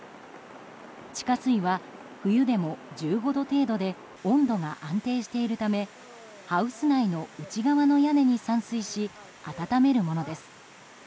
地下水は冬でも１５度程度で温度が安定しているためハウス内の内側の屋根に散水し暖めるものです。